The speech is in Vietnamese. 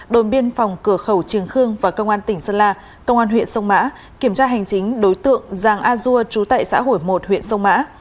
đồn biên phòng cửa khẩu trường khương và công an tỉnh sơn la công an huyện sông mã kiểm tra hành chính đối tượng giàng a dua trú tại xã hủy một huyện sông mã